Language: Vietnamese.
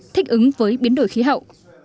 thích ứng với biến đổi khí hậu